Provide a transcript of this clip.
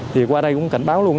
thì qua đây cũng cảnh báo luôn